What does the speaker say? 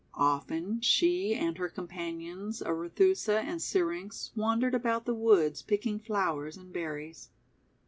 Often she and her companions, Arethusa and Syrinx, wandered about the woods picking flowers and berries.